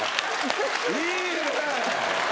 いいね！